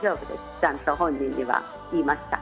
ちゃんと本人には言いました。